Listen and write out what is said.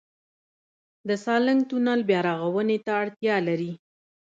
د سالنګ تونل بیارغونې ته اړتیا لري؟